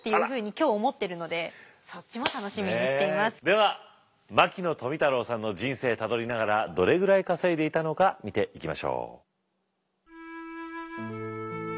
では牧野富太郎さんの人生たどりながらどれぐらい稼いでいたのか見ていきましょう。